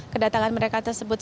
kedatangan mereka tersebut